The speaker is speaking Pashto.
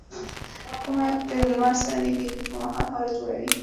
کومیټ د لمر سره نژدې کېدو پر مهال هاله جوړوي.